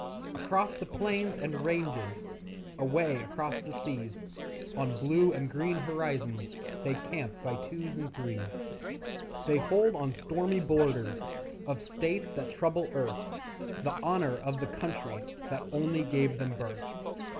Across the plains and ranges, Away across the seas, On blue and green horizons They camp by twos and threes; They hold on stormy borders Of states that trouble earth The honour of the country That only gave them birth.